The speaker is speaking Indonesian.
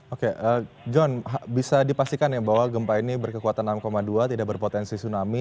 oke john bisa dipastikan ya bahwa gempa ini berkekuatan enam dua tidak berpotensi tsunami